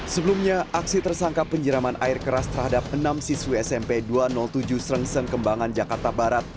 sebelumnya aksi tersangka penyiraman air keras terhadap enam siswi smp dua ratus tujuh serengseng kembangan jakarta barat